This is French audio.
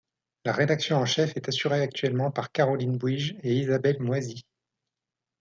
La rédaction en chef est assurée actuellement par Caroline Bouige et Isabelle Moisy.